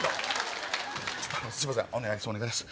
すいませんお願いです。